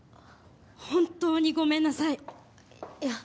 本当にごめんなさいいや